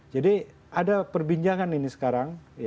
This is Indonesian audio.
jadi ada perbincangan ini sekarang